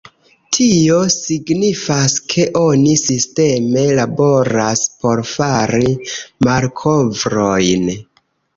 Tio signifas ke oni sisteme laboras por fari malkovrojn.